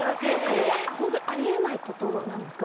ホントにあり得ないことなんですか？